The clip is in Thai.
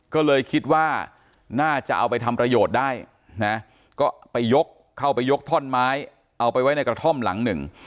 ก็เลยคิดว่าน่าจะเอาไปทำประโยชน์ได้นะก็ไปยกเข้าไปยกท่อนไม้เอาไปไว้ในกระท่อมหลังหนึ่ง